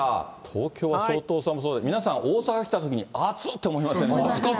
東京は相当寒そう、皆さん、大阪来たときにあつって思いますよね。